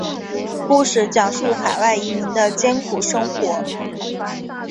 故事讲述海外移民的艰苦生活。